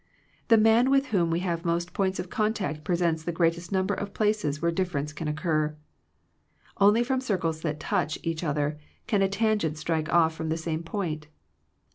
The man with whom we have most points of contact presents the greatest number of places where difference can occur. Only from circles that touch each other can a tangent strike off from the same point.